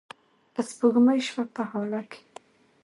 که سپوږمۍ شوه په هاله کې